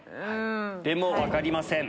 でも分かりません。